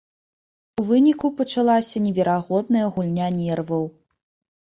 У выніку пачалася неверагодная гульня нерваў.